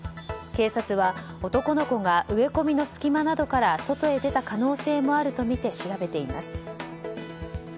警察は男の子が植込みの隙間などから外へ出た可能性もあるとみて調べています。